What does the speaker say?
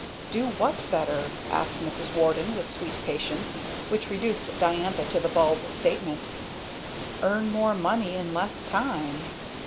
"Do what better?" asked Mrs. Warden with sweet patience, which reduced Diantha to the bald statement, "Earn more money in less time."